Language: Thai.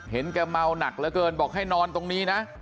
แกเมาหนักเหลือเกินบอกให้นอนตรงนี้นะ